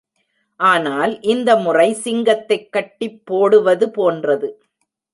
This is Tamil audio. ஆனால் இந்த முறை சிங்கத்தைக் கட்டிப் போடுவது போன்றது.